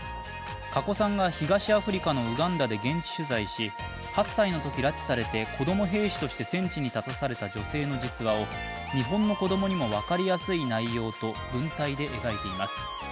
加古さんが東アフリカのウガンダで現地取材し８歳のときに拉致されて子供兵士として戦地に立たされた女性の実話を日本の子供にも分かりやすい内容と文体で描いています。